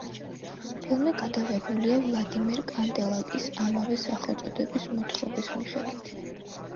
ფილმი გადაღებულია ვლადიმერ კანდელაკის ამავე სახელწოდების მოთხრობის მიხედვით.